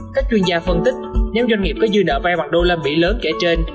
các chuyên gia phân tích nếu doanh nghiệp có dư nợ vai bằng usd lớn kể trên